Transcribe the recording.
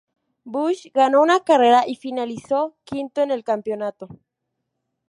Busch ganó una carrera y finalizó quinto en el campeonato.